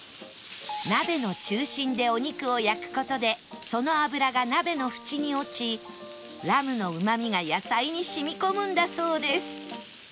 鍋の中心でお肉を焼く事でその脂が鍋の縁に落ちラムのうまみが野菜に染み込むんだそうです